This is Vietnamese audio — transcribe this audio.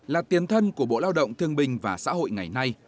là tiền thân của bộ lao động thương bình và xã hội ngày nay